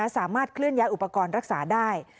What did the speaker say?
สามารถเคลื่อนย้ายอุปกรณ์รักษาได้